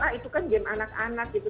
ah itu kan game anak anak gitu